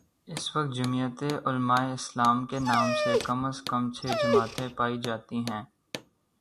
اس وقت جمعیت علمائے اسلام کے نام سے کم از کم چھ جماعتیں پائی جا تی ہیں۔